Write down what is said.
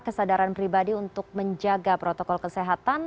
kesadaran pribadi untuk menjaga protokol kesehatan